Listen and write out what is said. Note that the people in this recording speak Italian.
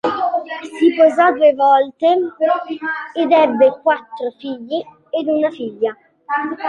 Si sposò due volte ed ebbe quattro figli ed una figlia.